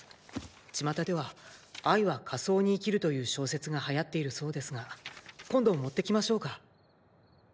巷では「愛は仮想に生きる」という小説が流行っているそうですが今度持ってきましょうか？